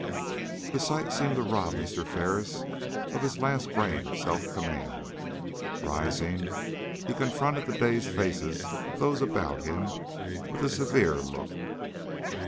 The sight seemed to rob Mr. Ferris of his last grain of self command. Rising, he confronted the dazed faces of those about him with a severe look.